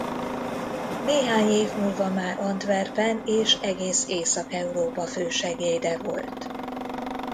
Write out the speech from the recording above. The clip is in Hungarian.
Néhány év múlva már Antwerpen és egész Észak-Európa fő segéde volt.